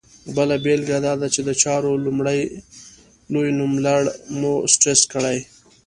بله بېلګه دا ده چې د چارو لوی نوملړ مو سټرس کړي.